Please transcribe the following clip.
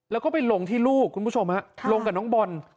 แล้วก็ไปลงที่ลูกคุณผู้ชมฮะลงกับน้องบอล